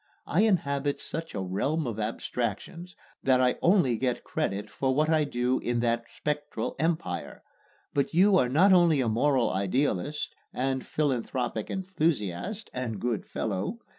I inhabit such a realm of abstractions that I only get credit for what I do in that spectral empire; but you are not only a moral idealist and philanthropic enthusiast (and good fellow!)